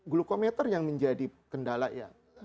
glukometer yang menjadi kendala ya